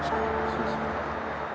そうですね